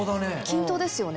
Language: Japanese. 均等ですよね。